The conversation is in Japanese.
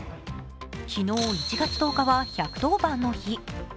昨日１月１０日は１１０番の日。